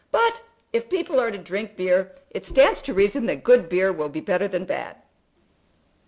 But if people are to drink beer it stands to reason that good beer will be better than bad."